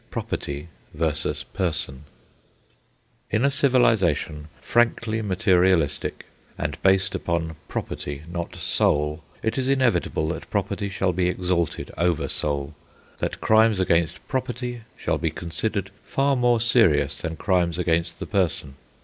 PROPERTY VERSUS PERSON In a civilisation frankly materialistic and based upon property, not soul, it is inevitable that property shall be exalted over soul, that crimes against property shall be considered far more serious than crimes against the person.